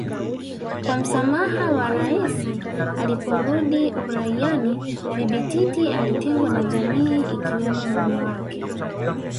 kwa msamaha wa Rais aliporudi uraiani Bibi Titi alitengwa na jamii ikiwemo mume wake